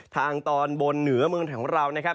ทางตอนบนเหนือเมืองของเรานะครับ